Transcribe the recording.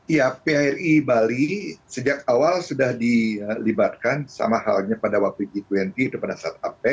ya phri bali sejak awal sudah dilibatkan sama halnya pada waktu g dua puluh itu pada saat apec